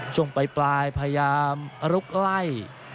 ช่วงปลายพยายามลุกไล่